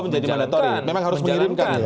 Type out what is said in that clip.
oh menjadi mandatori memang harus mengirimkan